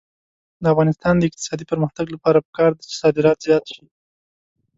د افغانستان د اقتصادي پرمختګ لپاره پکار ده چې صادرات زیات شي.